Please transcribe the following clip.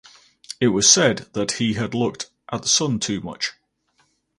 It was said that he had "looked at the sun too much".